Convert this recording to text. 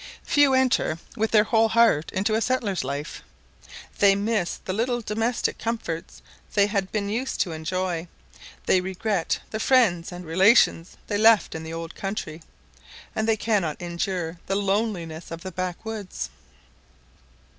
Few enter with their whole heart into a settler's life. They miss the little domestic comforts they had been used to enjoy; they regret the friends and relations they left in the old country; and they cannot endure the loneliness of the backwoods.